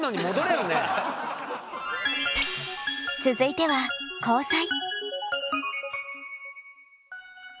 続いては交際。